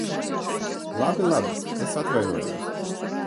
Labi, labi. Es atvainojos.